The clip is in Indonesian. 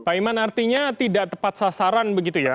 pak iman artinya tidak tepat sasaran begitu ya